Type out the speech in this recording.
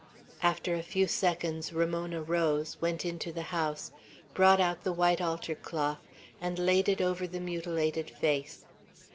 After a few seconds Ramona rose, went into the house, brought out the white altar cloth, and laid it over the mutilated face.